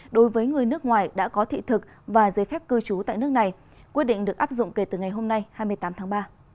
đối với người nước ngoài đã có thị thực và giấy phép cư trú tại nước này quyết định được áp dụng kể từ ngày hôm nay hai mươi tám tháng ba